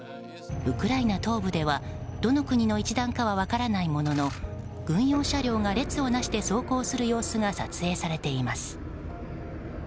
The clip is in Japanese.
ウクライナ東部では、どの国の一団かは分からないものの軍用車両が列をなして走行する様子が撮影されています。